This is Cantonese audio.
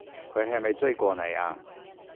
佢係咪追過你啊？